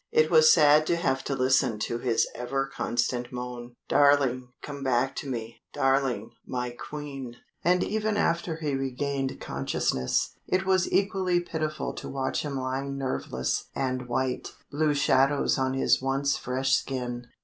It was sad to have to listen to his ever constant moan: "Darling, come back to me darling, my Queen." And even after he regained consciousness, it was equally pitiful to watch him lying nerveless and white, blue shadows on his once fresh skin.